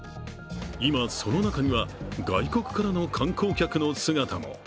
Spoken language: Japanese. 今、その中には外国からの観光客の姿も。